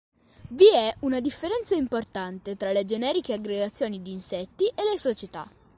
Vi è una differenza importante tra le generiche aggregazioni di insetti e le società.